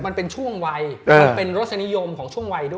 มันเป็นช่วงวัยมันเป็นรสนิยมของช่วงวัยด้วย